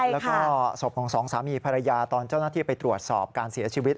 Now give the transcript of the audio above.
แล้วก็ศพของสองสามีภรรยาตอนเจ้าหน้าที่ไปตรวจสอบการเสียชีวิต